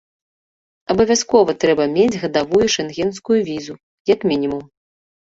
Абавязкова трэба мець гадавую шэнгенскую візу, як мінімум.